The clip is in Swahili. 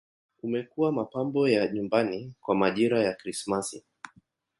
Umekuwa mapambo ya nyumbani kwa majira ya Krismasi.